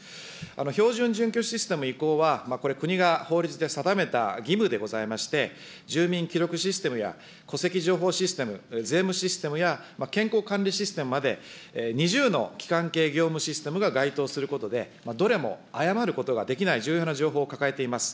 標準準拠システム移行はこれ、国が法律で定めた義務でございまして、住民記録システムや戸籍情報システム、税務システムや健康管理システムまで、２０の基幹系業務システムが該当することで、どれも誤ることができない、重要な情報を抱えています。